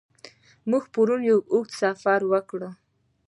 موږ پرون یو اوږد سفر وکړ.